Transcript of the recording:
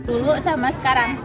ulu sama sekarang